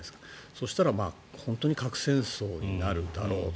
そしたら本当に核戦争になるだろうと。